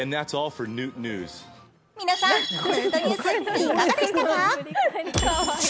皆さん、ヌートニュースいかがでしたか？